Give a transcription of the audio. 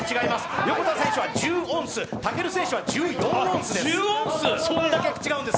横田選手は１０オンス、武尊選手は１４オンスです